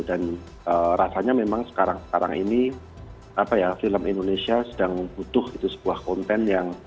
dan rasanya memang sekarang sekarang ini apa ya film indonesia sedang butuh itu sebuah konten